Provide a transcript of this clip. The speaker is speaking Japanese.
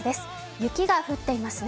雪が降っていますね。